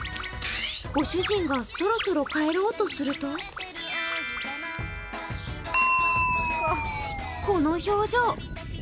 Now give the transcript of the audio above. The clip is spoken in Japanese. ご主人がそろそろ帰ろうとするとこの表情。